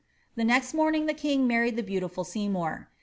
The next morning the king married the beautiful Seymour.